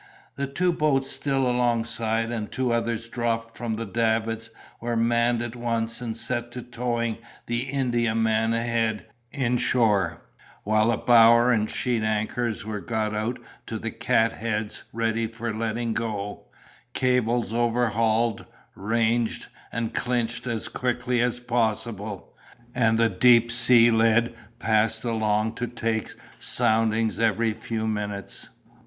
The two boats still alongside, and two others dropped from the davits, were manned at once and set to towing the Indiaman ahead, in shore; while the bower and sheet anchors were got out to the cat heads ready for letting go, cables overhauled, ranged, and clinched as quickly as possible, and the deep sea lead passed along to take soundings every few minutes.